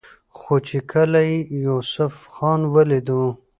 خو چې کله يې يوسف خان وليدو